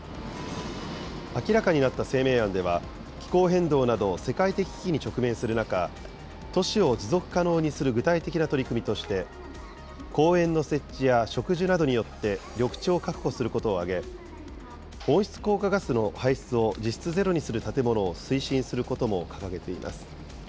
明らかになった声明案では、気候変動など、世界的危機に直面する中、都市を持続可能にする具体的な取り組みとして、公園の設置や植樹などによって緑地を確保することを挙げ、温室効果ガスの排出を実施ゼロにする建物を推進することも掲げています。